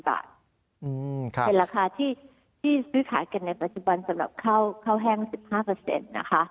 เป็นราคาที่ซื้อขายกันในปัจจุบันสำหรับข้าวแห้ง๑๕นะคะ